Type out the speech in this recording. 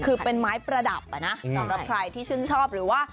คือเป็นไม้ประดับนะสำหรับใครที่ชื่นชอบหรือว่า